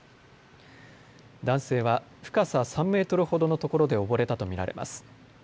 男性は深さ３メートルほどのところで溺れたと見られます。